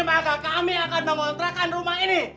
maka kami akan mengontrakan rumah ini